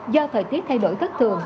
do thời tiết thay đổi rất thường